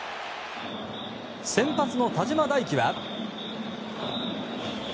先発の田嶋大樹は。